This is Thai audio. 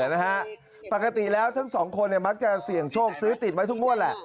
นะฮะปกติแล้วทั้งสองคนเนี่ยมักจะเสี่ยงโชคซื้อติดไว้ทุกงวดแหละ